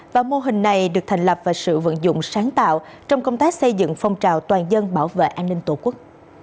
và mô hình này được thành lập và sự vận dụng sáng tạo trong công tác xây dựng phong trào toàn dân bảo vệ an ninh tổ quốc